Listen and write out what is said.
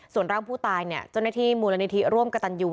ส่วนร่างผู้ตายเนี่ยเจ้าหน้าที่มูลนิธิร่วมกระตันยู